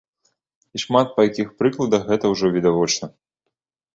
І шмат па якіх прыкладах гэта ўжо відавочна.